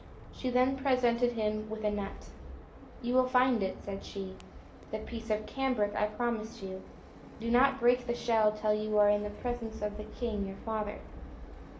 She then presented him with a nut: "You will find in it," said she, "the piece of cambric I promised you: do not break the shell till you are in the presence of the king your father."